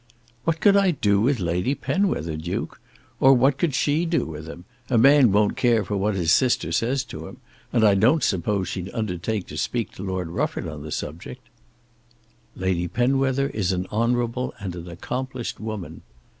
"What could I do with Lady Penwether, Duke? Or what could she do with him? A man won't care for what his sister says to him. And I don't suppose she'd undertake to speak to Lord Rufford on the subject." "Lady Penwether is an honourable and an accomplished woman."